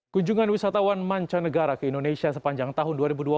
kunjungan wisatawan mancanegara ke indonesia sepanjang tahun dua ribu dua puluh